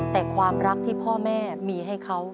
แต่ความรักที่พ่อแม่มีให้เขา